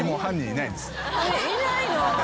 いないの？